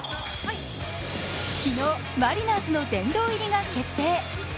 昨日、マリナーズの殿堂入りが決定